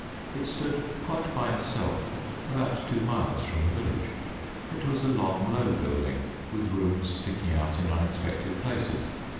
It stood quite by itself, about two miles from the village. It was a long, low building, with rooms sticking out in unexpected places.